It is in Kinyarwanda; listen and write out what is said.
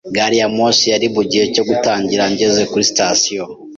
Gari ya moshi yari mugihe cyo gutangira ngeze kuri sitasiyo.